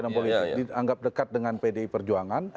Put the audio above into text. dianggap dekat dengan pdi perjuangan